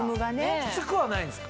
きつくはないんですか？